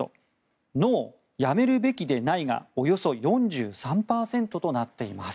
ノー、辞めるべきでないがおよそ４３％となっています。